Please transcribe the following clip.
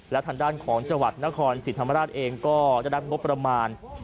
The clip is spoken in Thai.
และทางด้านของจังหวัดนครศรีธรรมราชเองก็ได้รับงบประมาณ